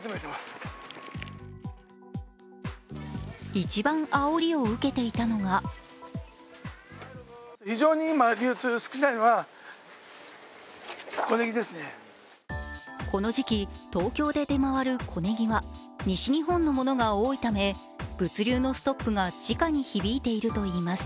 一番あおりを受けていたのがこの時期、東京で出回る小ねぎは西日本のものが多いため物流のストップが、じかに響いているといいます。